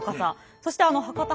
そして博多